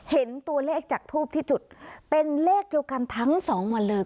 เห็นตัวเลขจากทูปที่จุดเป็นเลขเดียวกันทั้งสองวันเลย